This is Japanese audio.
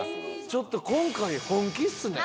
ちょっと今回本気っすね。